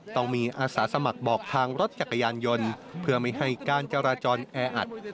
ต้องมีอาสาสมัครบอกทางรถจักรยานยนต์เพื่อไม่ให้การจราจรแออัด